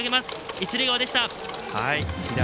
一塁側でした。